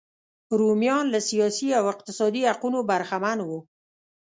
رومیان له سیاسي او اقتصادي حقونو برخمن وو.